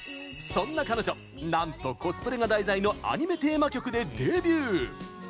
そんな彼女、なんとコスプレが題材のアニメテーマ曲でデビュー！